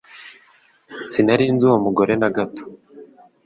Sinari nzi uwo mugore na gato